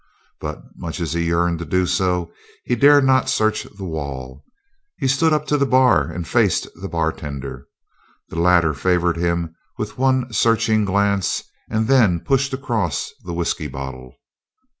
But much as he yearned to do so, he dared not search the wall. He stood up to the bar and faced the bartender. The latter favored him with one searching glance, and then pushed across the whisky bottle.